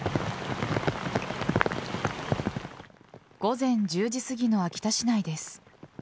午前１０時すぎの秋田市内です。